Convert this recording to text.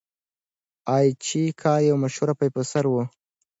ای اېچ کار یو مشهور پروفیسور و.